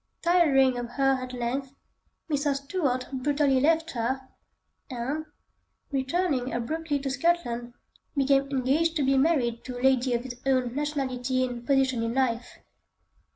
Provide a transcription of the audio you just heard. Tiring of her at length, Mr. Stuart brutally left her, and, returning abruptly to Scotland, became engaged to be married to a lady of his own nationality and position in life.